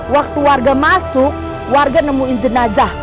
waktu warga masuk warga nemuin jenazah